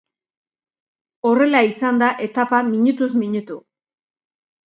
Horrela izan da etapa minutuz minutu.